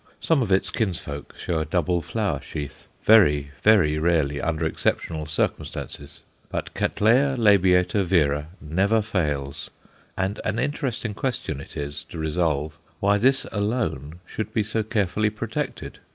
Some of its kinsfolk show a double flower sheath; very, very rarely, under exceptional circumstances. But Cattleya labiata vera never fails, and an interesting question it is to resolve why this alone should be so carefully protected.